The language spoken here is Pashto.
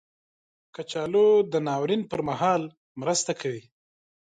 کچالو د ناورین پر مهال مرسته کوي